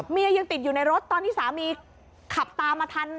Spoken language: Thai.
ยังติดอยู่ในรถตอนที่สามีขับตามมาทัน